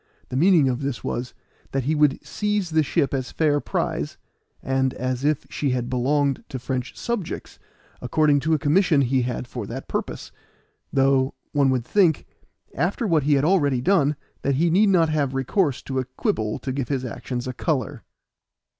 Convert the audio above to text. The meaning of this was, that he would seize the ship as fair prize, and as if she had belonged to French subjects, according to a commission he had for that purpose; though, one would think, after what he had already done, that he need not have recourse to a quibble to give his actions a color.